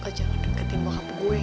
kau jangan deketin mohap gue